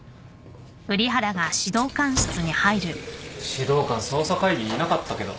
指導官捜査会議にいなかったけど。